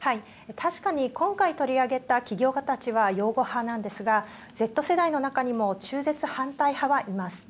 確かに今回取り上げた起業家たちは擁護派なんですがＺ世代の中にも中絶反対派はいます。